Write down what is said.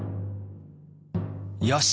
よし！